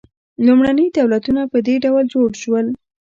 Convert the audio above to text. لومړني دولتونه په دې ډول جوړ شول.